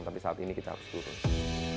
tapi saat ini kita harus turun